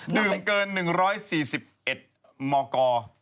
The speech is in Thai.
ดื่มเกิน๑๔๑มก